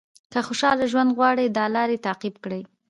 که خوشاله ژوند غواړئ دا لارې تعقیب کړئ.